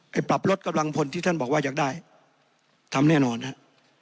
ปรับลดกำลังพลที่ท่านบอกว่าอยากได้ทำแน่นอนฮะ